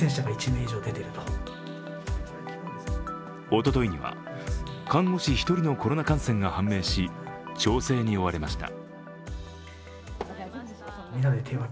おとといには看護師１人のコロナ感染が判明し調整に追われました。